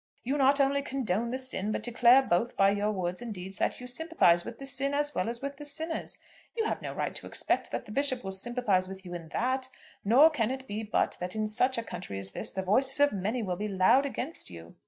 You not only condone the sin, but declare both by your words and deeds that you sympathise with the sin as well as with the sinners. You have no right to expect that the Bishop will sympathise with you in that; nor can it be but that in such a country as this the voices of many will be loud against you."